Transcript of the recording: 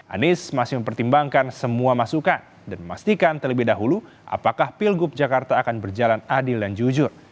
anies masih mempertimbangkan semua masukan dan memastikan terlebih dahulu apakah pilgub jakarta akan berjalan adil dan jujur